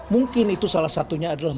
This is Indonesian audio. mungkin itu salah satunya adalah